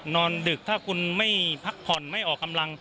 ดึกถ้าคุณไม่พักผ่อนไม่ออกกำลัง